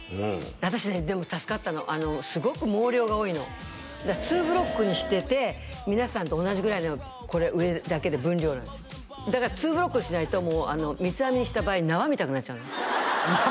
私ねでも助かったのすごく毛量が多いのツーブロックにしてて皆さんと同じぐらいのこれ上だけで分量なんですだからツーブロックにしないと三つ編みにした場合縄みたくなっちゃうの縄